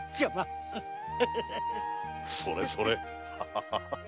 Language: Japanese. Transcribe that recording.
それそれ。